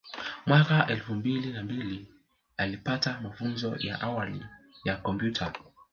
Mwaka elfu mbili na mbili alipata mafunzo ya awali ya kompyuta